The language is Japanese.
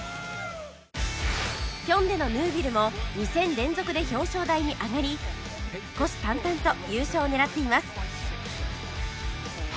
ヒョンデのヌービルも２戦連続で表彰台に上がり虎視眈々と優勝を狙っています